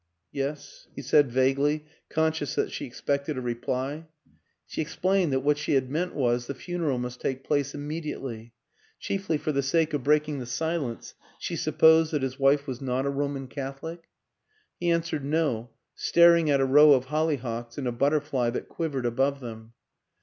'Yes?" he said vaguely, conscious that she expected a reply. She explained that what she had meant was, the funeral must take place immediately. ... Chiefly for the sake of breaking the silence she supposed that his wife was not a Roman Catholic? He answered " No," staring at a row of holly hocks and a butterfly that quivered above them.